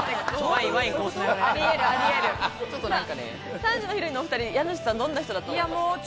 ３時のヒロインのお２人、家主さん、どんな人だと思いますか？